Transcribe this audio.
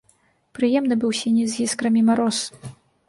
Прыемны быў сіні з іскрамі мароз.